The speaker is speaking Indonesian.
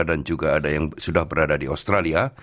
dan juga ada yang sudah berada di australia